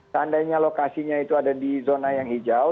seandainya lokasinya itu ada di zona yang hijau